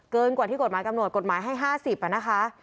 กว่าที่กฎหมายกำหนดกฎหมายให้๕๐นะคะ